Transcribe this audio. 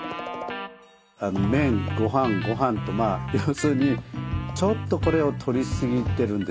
麺ごはんごはんと要するにちょっとこれをとりすぎてるんですよね。